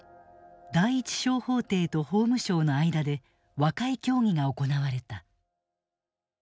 第一小法廷と法務省の間で和解協議が行われた。